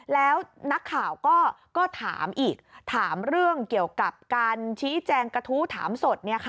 แล้วนักข่าวก็ถามอีกถามเรื่องเกี่ยวกับการชี้แจงกระทู้ถามสด